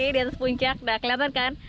di atas puncak sudah kelihatan kan